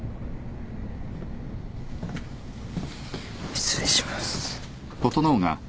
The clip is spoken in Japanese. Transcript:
失礼します。